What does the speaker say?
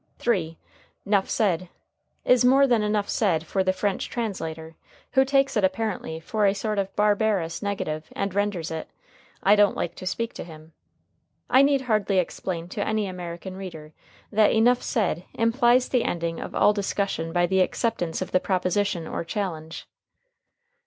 ] [Footnote 3: "'Nough said" is more than enough said for the French translator, who takes it apparently for a sort of barbarous negative and renders it, "I don't like to speak to him." I need hardly explain to any American reader that enough said implies the ending of all discussion by the acceptance of the proposition or challenge.